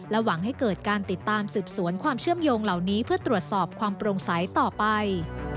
หวังให้เกิดการติดตามสืบสวนความเชื่อมโยงเหล่านี้เพื่อตรวจสอบความโปร่งใสต่อไป